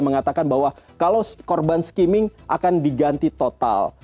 mengatakan bahwa kalau korban skimming akan diganti total